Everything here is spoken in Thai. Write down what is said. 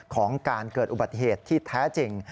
ของการเกิดอุบัติเหตุที่แท้จริง